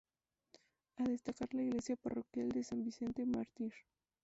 A destacar la iglesia parroquial de San Vicente Mártir.